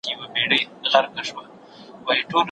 که ته نه وای زه مړ وم.